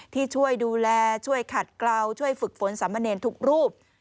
ที่ช่วยดูแลช่วยขัดกล่าวช่วยฝึกฝนสามเณรทุกรูป